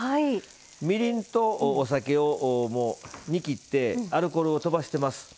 みりんと、お酒を煮きってアルコールをとばしてます。